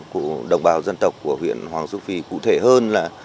của đồng bào dân tộc của huyện hoàng su phi cụ thể hơn là